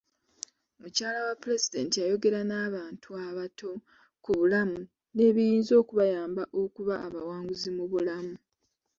Mukyala wa pulezidenti yayogera n'abantu abato ku bulamu n'ebiyinza okubayamba okuba abawanguzi mu bulamu.